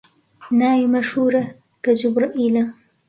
ناوی مەشهوورە، کە جوبرەئیلە